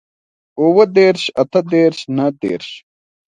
اووه دېرش اتۀ دېرش نهه دېرش